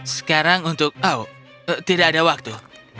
sekarang untuk oh tidak ada waktu